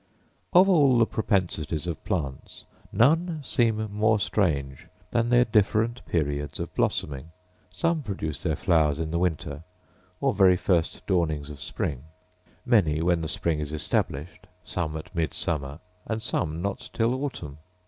Of all the propensities of plants none seem more strange than their different periods of blossoming. Some produce their flowers in the winter, or very first dawnings of spring; many when the spring is established; some at midsummer, and some not till autumn.